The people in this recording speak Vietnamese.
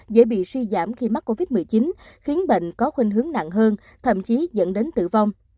dễ bị suy giảm khi mắc covid một mươi chín khiến bệnh có khuyên hướng nặng hơn thậm chí dẫn đến tử vong